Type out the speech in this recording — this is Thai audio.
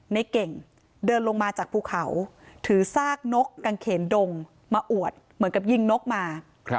ในเก่งเดินลงมาจากภูเขาถือซากนกกางเขนดงมาอวดเหมือนกับยิงนกมา